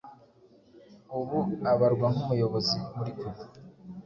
ubu abarwa nk’umuyobozi muri cuba